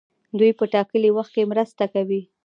دوی په ټاکلي وخت کې مرسته کوي.